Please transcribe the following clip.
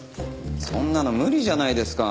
そんなの無理じゃないですか。